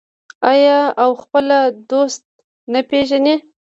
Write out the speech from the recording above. آیا او خپل دوست نه پیژني؟